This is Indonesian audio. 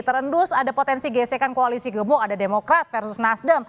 terendus ada potensi gesekan koalisi gemuk ada demokrat versus nasdem